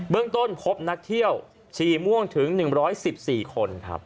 เบื้องต้นพบนักเที่ยวชีม่วงถึง๑๑๔คน